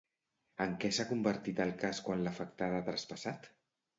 En què s'ha convertit el cas quan l'afectada ha traspassat?